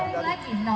kami tetap produktif